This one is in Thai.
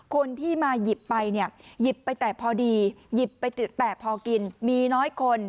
คนที่มาหยิบไปเนี่ยหยิบไปแต่พอดีหยิบไปแต่พอกินมีน้อยคน